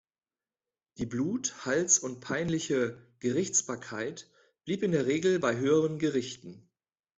Die Blut-, Hals- und peinliche Gerichtsbarkeit blieb in der Regel bei höheren Gerichten.